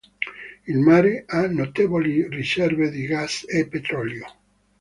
Il mare ha notevoli riserve di gas e petrolio.